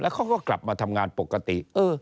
เขาก็กลับมาทำงานปกติ